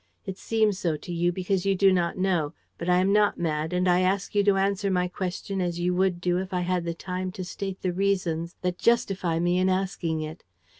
It seems so to you because you do not know. But I am not mad; and I ask you to answer my question as you would do if I had the time to state the reasons that justify me in asking it.